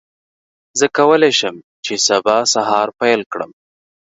زه کولی شم چې سبا سهار پیل کړم.